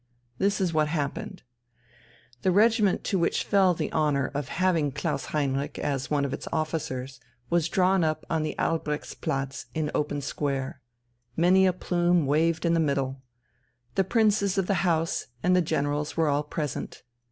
This is what happened. The regiment to which fell the honour of having Klaus Heinrich as one of its officers was drawn up on the Albrechtsplatz in open square. Many a plume waved in the middle. The princes of the House and the generals were all present.